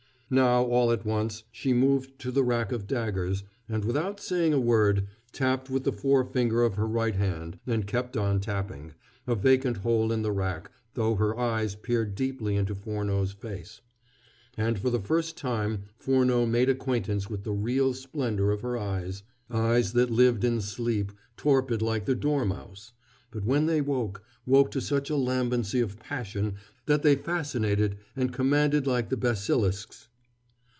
Now, all at once, she moved to the rack of daggers, and without saying a word, tapped with the fore finger of her right hand, and kept on tapping, a vacant hole in the rack, though her eyes peered deeply into Furneaux's face. And for the first time Furneaux made acquaintance with the real splendor of her eyes eyes that lived in sleep, torpid like the dormouse; but when they woke, woke to such a lambency of passion that they fascinated and commanded like the basilisk's.